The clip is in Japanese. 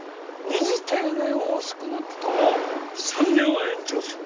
二次定年を少なくとも３年は延長する。